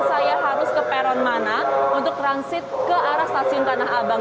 saya harus ke peron mana untuk transit ke arah stasiun tanah abang